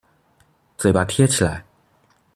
嘴巴貼起來